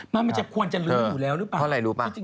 มันจะควรจะลื้ออยู่แล้วหรือเปล่า